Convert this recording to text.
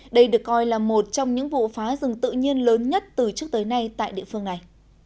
đây được coi là một trong những vụ phá rừng tự nhiên lớn nhất từ trước tới nay tại địa phương này